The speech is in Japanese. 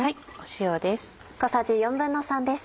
塩です。